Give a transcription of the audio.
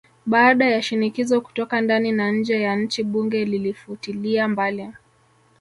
Baada ya shinikizo kutoka ndani na nje ya nchi bunge lilifutilia mbali